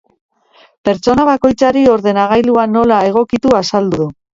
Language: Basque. Pertsona bakoitzari ordenagailua nola egokitu azaldu du.